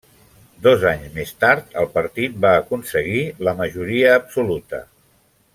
Dos anys més tard el partit va aconseguir la majoria absoluta.